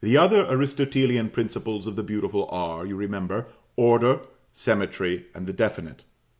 The Aristotelian principles of the Beautiful are, you remember, Order, Symmetry, and the Definite.